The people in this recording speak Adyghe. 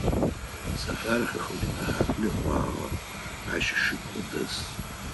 Сэфар Хьакурынэхьаблэ кӏуагъэ, ащ ышыпхъу дэс.